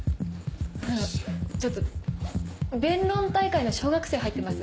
あのちょっと弁論大会の小学生入ってます。